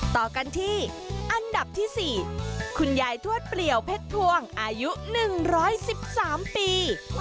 ต่อกันที่อันดับที่๔คุณยายทวดเปลี่ยวเพชรพวงอายุ๑๑๓ปี